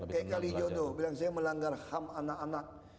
kayak kali itu tuh bilang saya melanggar ham anak anak